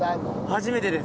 初めてです。